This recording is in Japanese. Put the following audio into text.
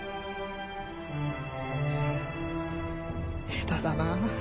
下手だな。